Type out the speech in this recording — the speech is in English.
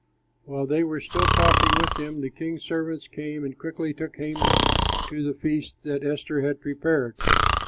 While they were still talking with him, the king's servants came and quickly took Haman to the feast that Esther had prepared.